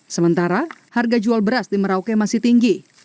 sementara harga jual beras di merauke masih tinggi